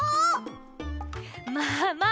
まあまあ。